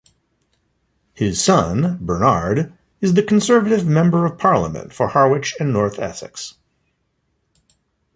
His son, Bernard, is the Conservative Member of Parliament for Harwich and North Essex.